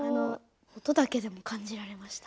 音だけでも感じられました。